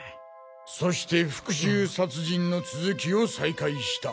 そして復讐殺人の続きを再開した。